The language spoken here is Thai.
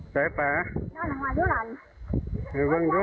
ยายปลามาขายป่ะ